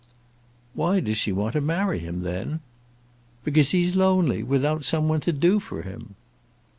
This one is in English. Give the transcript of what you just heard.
"Why does she want to marry him, then?" "Because he's lonely without some one to do for him."